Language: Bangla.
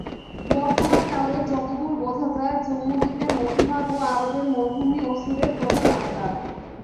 বর্তমান কালে যতদূর বোঝা যায়, জম্বুদ্বীপের মধ্যভাগ ও আরবের মরুভূমি অসুরের প্রধান আড্ডা।